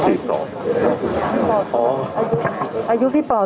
สวัสดีครับ